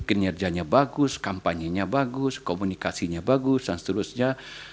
kinerjanya bagus kampanyenya bagus komunikasinya bagus dan seterusnya